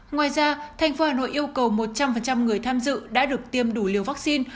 ngoài ra tp hà nội yêu cầu một trăm linh người tham dự đã được tiêm đủ liều vaccine